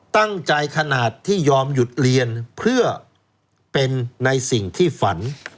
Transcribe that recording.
ตั้งแต่ขนาดที่ยอมหยุดเรียนเพื่อเป็นในสิ่งที่ฝัน